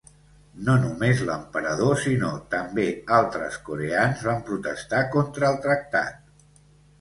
No només l'emperador sinó també altres coreans van protestar contra el tractat.